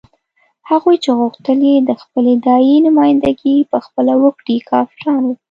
هغوی چې غوښتل یې د خپلې داعیې نمايندګي په خپله وکړي کافران وو.